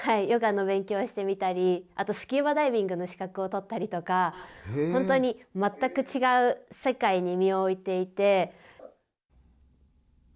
ヨガの勉強をしてみたりスキューバダイビングの資格を取ったりとか本当に全く違う世界に身を置いていて。